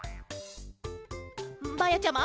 まやちゃま？